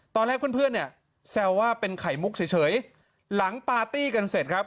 ตอนแรกเพื่อนเพื่อนเนี่ยแซวว่าเป็นไข่มุกเฉยหลังปาร์ตี้กันเสร็จครับ